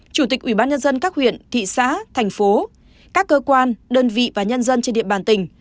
chủ tịch ubnd các huyện thị xã thành phố các cơ quan đơn vị và nhân dân trên địa bàn tỉnh